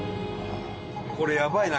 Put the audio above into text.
これやばいな。